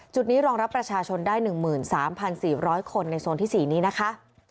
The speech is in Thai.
นี้รองรับประชาชนได้๑๓๔๐๐คนในโซนที่๔นี้นะคะ